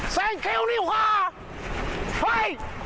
แซงคิวริ้วค่ะเฮ้ย